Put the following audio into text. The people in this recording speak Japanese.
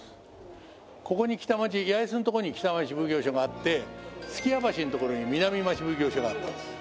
ここに北町八重洲の所に北町奉行所があって数寄屋橋の所に南町奉行所があったんです。